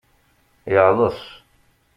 Yeɛḍes.